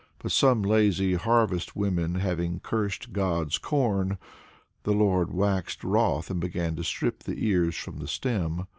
But some lazy harvest women having cursed "God's corn," the Lord waxed wroth and began to strip the ears from the stem.